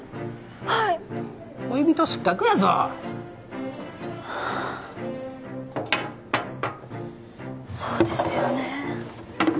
はい恋人失格やぞそうですよね